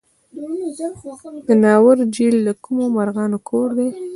د ناور جهیل د کومو مرغانو کور دی؟